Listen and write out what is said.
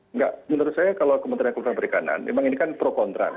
enggak menurut saya kalau kementerian keluhan perikanan memang ini kan pro kontra